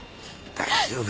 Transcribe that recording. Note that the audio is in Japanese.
大丈夫。